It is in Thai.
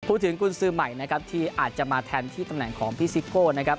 กุญสือใหม่นะครับที่อาจจะมาแทนที่ตำแหน่งของพี่ซิโก้นะครับ